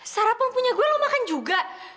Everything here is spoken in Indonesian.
sarapun punya gue lo makan juga